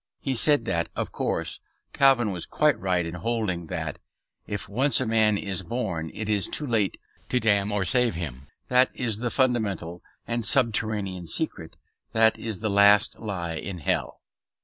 He said that, of course, Calvin was quite right in holding that "if once a man is born it is too late to damn or save him." That is the fundamental and subterranean secret; that is the last lie in hell.